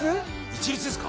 一律ですか？